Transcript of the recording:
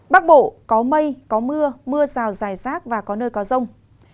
bắc bộ có mây có mưa mưa rào dài rác và có nơi có rông